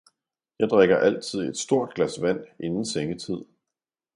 Jeg drikker altid et stort glas vand inden sengetid.